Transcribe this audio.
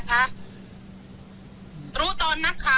คนอ่ะ